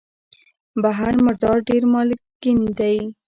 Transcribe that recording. بحر مردار ډېر مالګین دی.